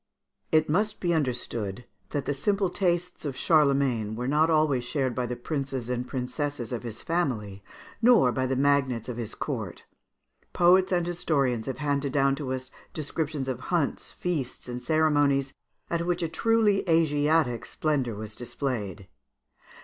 It must be understood that the simple tastes of Charlemagne were not always shared by the princes and princesses of his family, nor by the magnates of his court (Fig. 45). Poets and historians have handed down to us descriptions of hunts, feasts, and ceremonies, at which a truly Asiatic splendour was displayed.